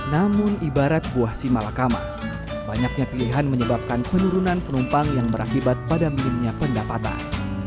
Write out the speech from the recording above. namun ibarat buah si malakama banyaknya pilihan menyebabkan penurunan penumpang yang berakibat pada minimnya pendapatan